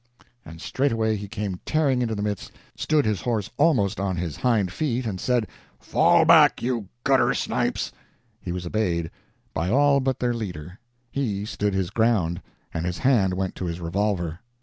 And straightway he came tearing into the midst, stood his horse almost on his hind feet, and said, "Fall back, you gutter snipes!" He was obeyed. By all but their leader. He stood his ground, and his hand went to his revolver.